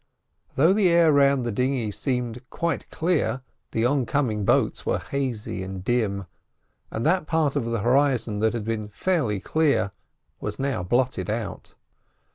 Though the air round the dinghy seemed quite clear, the on coming boats were hazy and dim, and that part of the horizon that had been fairly clear was now blotted out.